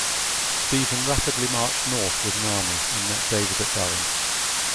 Stephen rapidly marched north with an army and met David at Durham.